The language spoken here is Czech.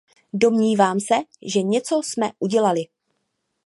Domnívám se, že něco jsme udělali.